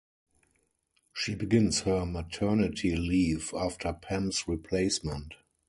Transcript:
She begins her maternity leave after "Pam's Replacement".